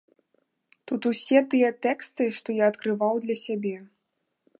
Тут усе тыя тэксты, што я адкрываў для сябе.